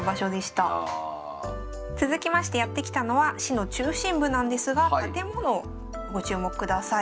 続きましてやって来たのは市の中心部なんですが建物ご注目ください。